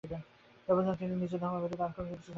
এ পর্যন্ত তিনি নিজের ধর্ম ব্যতীত আর কিছু জানিতেন না।